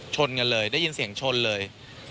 ชนกันเลยได้ยินเสียงชนเลย